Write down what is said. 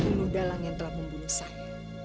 peluru dalang yang telah membunuh saya